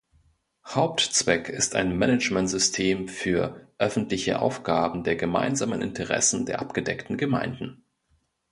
Hauptzweck ist ein Managementsystem für öffentliche Aufgaben der gemeinsamen Interessen der abgedeckten Gemeinden.